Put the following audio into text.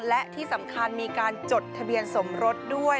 และที่สำคัญมีการจดทะเบียนสมรสด้วย